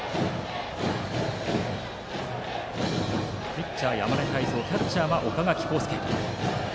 ピッチャーは山根汰三キャッチャーは岡垣昂佑。